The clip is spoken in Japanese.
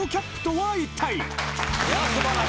はい。